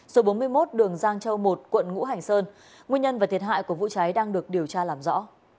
số bốn mươi một đường giang châu một quận ngũ hành sơn nguyên nhân và thiệt hại của vụ cháy đang được điều tra làm rõ